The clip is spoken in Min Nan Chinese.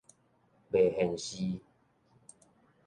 袂現示